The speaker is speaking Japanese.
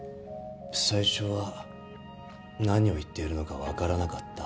最初は何を言っているのか分からなかった。